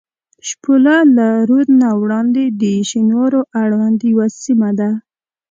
شپوله له رود نه وړاندې د شینوارو اړوند یوه سیمه ده.